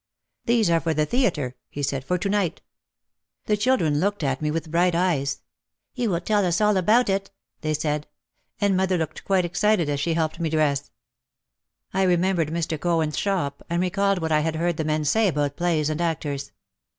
"These are for the theatre," he said, "for to night.' ' The children looked at me with bright eyes. "You will tell us all about it," they said, and mother looked quite excited as she helped me dress. I remembered Mr. Cohen's shop, and recalled what I had heard the men say about plays and actors.